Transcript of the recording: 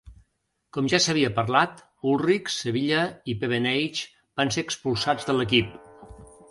Com ja s'havia parlat, Ullrich, Sevilla i Pevenage van ser expulsats de l'equip.